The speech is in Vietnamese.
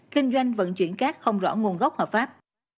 kinh doanh vận chuyển cát không rõ nguồn gốc hợp pháp